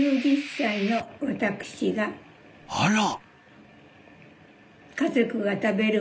あら。